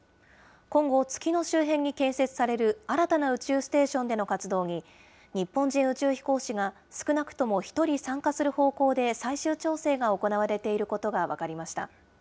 今後、月の周辺に建設される新たな宇宙ステーションでの活動に、日本人宇宙飛行士が少なくとも１人参加する方向で、最終調整が行われていることが分かりました。